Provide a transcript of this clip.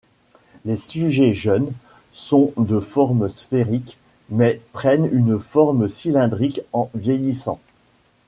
Les sujets jeunes sont de forme sphérique mais prennent une forme cylindrique en vieillissant.